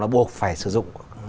nó buộc phải sử dụng